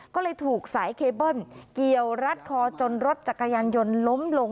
ก็เลยถูกสายเคเบิ้ลเกี่ยวรัดคอจนรถจักรยานยนต์ล้มลง